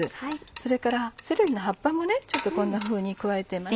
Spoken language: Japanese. それからセロリの葉っぱもこんなふうに加えてます。